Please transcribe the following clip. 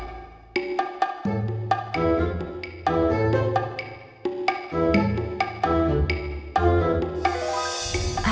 astaga ini rupanya kok sama